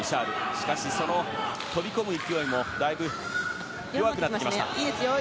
しかし、その飛び込む勢いもだいぶ弱くなってきました。